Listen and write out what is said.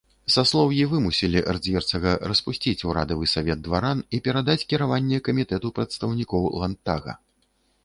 Саслоўі вымусілі эрцгерцага распусціць урадавы савет дваран і перадаць кіраванне камітэту прадстаўнікоў ландтага.